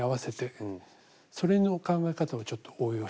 それの考え方をちょっと応用してみました。